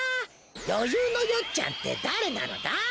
よゆうのよっちゃんってだれなのだ！